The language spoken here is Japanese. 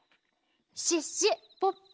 シュッシュポッポ」。